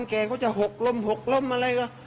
คนแก่เขาจะหกล้มหกล้มอะไรล่ะ